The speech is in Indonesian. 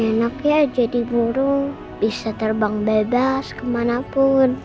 enak ya jadi burung bisa terbang bebas kemanapun